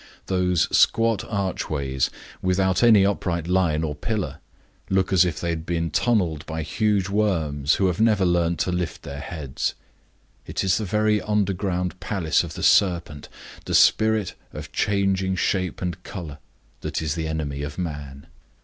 Those squat archways, without any upright line or pillar, look as if they had been tunneled by huge worms who have never learned to lift their heads. It is the very underground palace of the Serpent, the spirit of changing shape and color, that is the enemy of man.